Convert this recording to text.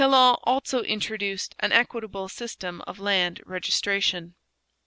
] Talon also introduced an equitable system of land registration.